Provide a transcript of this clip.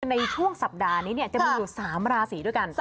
ในช่วงสัปดาห์นี้จะมีอยู่๓ราศีด้วยกัน